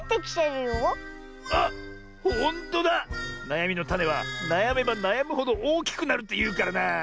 なやみのタネはなやめばなやむほどおおきくなるっていうからなあ。